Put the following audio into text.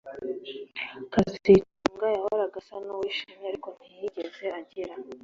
kazitunga yahoraga asa nuwishimye ariko ntiyigeze agira